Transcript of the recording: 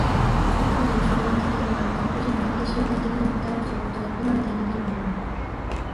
どこまでも集団的ではあるが、個人が非集団的にも働くということが含まれていなければならない。